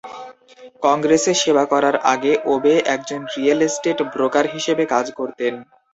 কংগ্রেসে সেবা করার আগে, ওবে একজন রিয়েল এস্টেট ব্রোকার হিসেবে কাজ করতেন।